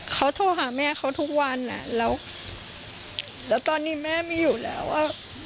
เขาโทรหาแม่เขาทุกวันอ่ะแล้วตอนนี้แม่ไม่อยู่แล้วอ่ะ